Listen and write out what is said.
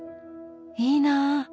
いいなぁ。